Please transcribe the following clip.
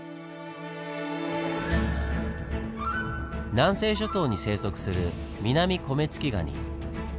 南西諸島に生息するミナミコメツキガニ。